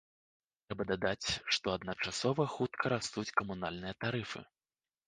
Трэба дадаць, што адначасова хутка растуць камунальныя тарыфы.